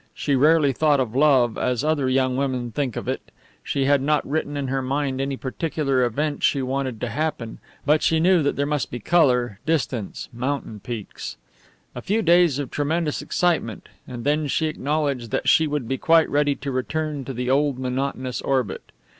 She rarely thought of love as other young women think of it. She had not written in her mind any particular event she wanted to happen; but she knew that there must be colour, distance, mountain peaks. A few days of tremendous excitement; and then she acknowledged that she would be quite ready to return to the old monotonous orbit.